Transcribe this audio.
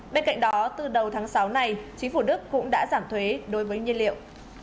bên cạnh đó từ đầu tháng sáu này chính phủ đức cũng đã giảm thuế đối với nhiên liệu